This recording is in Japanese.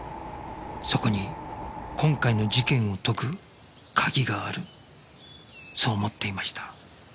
そこに今回の事件を解く鍵があるそう思っていました